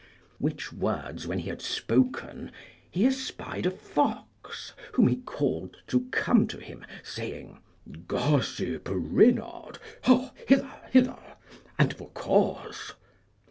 Which words when he had spoken, he espied a fox, whom he called to come to him saying, Gossip Reynard, hau, hither, hither, and for cause!